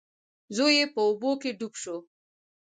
زوی یې په اوبو کې ډوب شو.